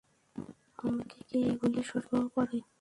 আমাদের কে এগুলি সরবরাহ করে?